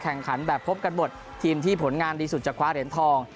แข่งขันแบบพบกันหมดทีมที่ผลงานดีสุดจะคว้าเหรียญทอง